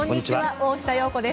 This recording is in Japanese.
大下容子です。